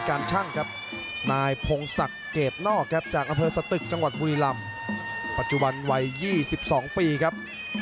ส่วนทางด้านนักชกในปุ่มแดงถือว่าเป็นรุ่นพี่ในวัย๒๙ปีครับ